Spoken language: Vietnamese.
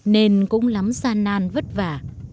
nên cũng lắm gian nan vất vả